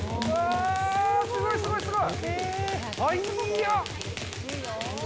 すごい、すごい、すごい。